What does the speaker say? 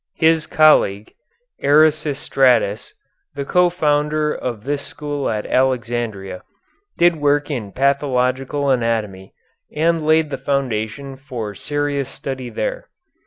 His colleague, Erasistratus, the co founder of this school at Alexandria, did work in pathological anatomy, and laid the foundation for serious study there.